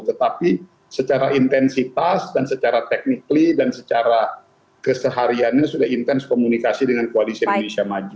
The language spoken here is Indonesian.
tetapi secara intensitas dan secara teknikly dan secara kesehariannya sudah intens komunikasi dengan koalisi indonesia maju